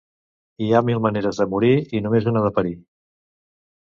Hi ha mil maneres de morir i només una de parir.